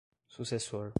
sucessor